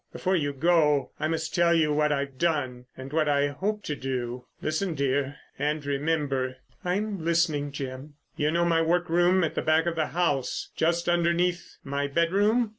Before you go I must tell you what I've done and what I hope to do. Listen, dear—and remember." "I am listening, Jim." "You know my workroom at the back of the house, just underneath my bedroom?